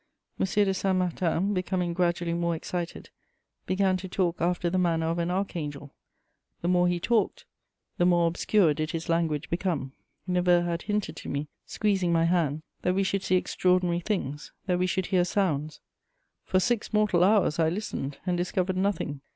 M. de Saint Martin, becoming gradually more excited, began to talk after the manner of an archangel; the more he talked, the more obscure did his language become. Neveu had hinted to me, squeezing my hand, that we should see extraordinary things, that we should hear sounds. For six mortal hours I listened and discovered nothing.